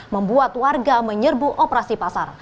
membuat warga menyerbu operasi pasar